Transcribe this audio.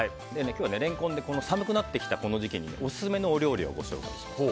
今日はレンコンで寒くなってきたこの時期にオススメのお料理をご紹介します。